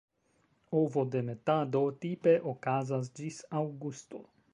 Ovodemetado tipe okazas ĝis aŭgusto.